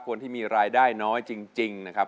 คนที่มีรายได้น้อยจริงนะครับ